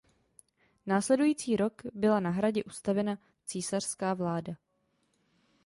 Následující rok byla na hradě ustavena císařská vláda.